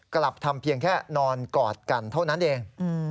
กลับทำเพียงแค่นอนกอดกันเท่านั้นเอง